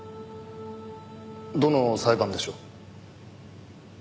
どの裁判でしょう？